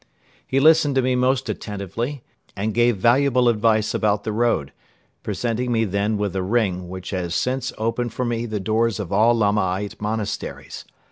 He listened to me most attentively and gave valuable advice about the road, presenting me then with a ring which has since opened for me the doors of all Lamaite monasteries.